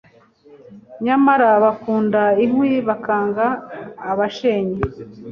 Nyamara Bakunda inkwi bakanga abashenyi.